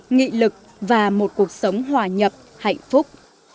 nghị lực và một cuộc sống hòa nhập hạnh phúc